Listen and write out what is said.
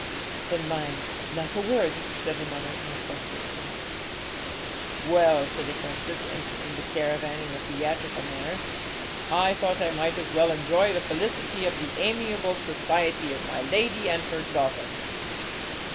'Then mind, not a word,' said her mother, in a hoarse whisper. 'Well,' said Augustus, entering the caravan in a theatrical manner, 'I thought I might as well enjoy the felicity of the amiable society of my lady and her daughter!'